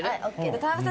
田中さん